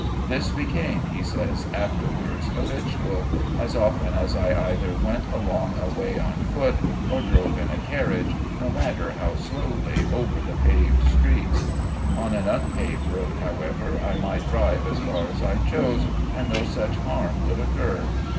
"This became," he says, "afterwards habitual, as often as I either went along a way on foot, or drove in a carriage, no matter how slowly, over the paved streets. On an unpaved road, however, I might drive as far as I chose, and no such harm would occur."